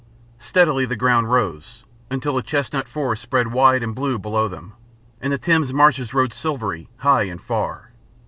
Steadily the ground rose, until the chestnut forests spread wide and blue below them, and the Thames marshes shone silvery, high and far.